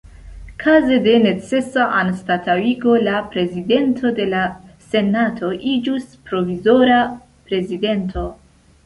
Kaze de necesa anstataŭigo la Prezidento de la Senato iĝus Provizora Prezidento.